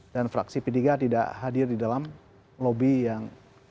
dan fraksi p tiga tidak hadir di dalam lobby yang